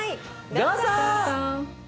どうぞ！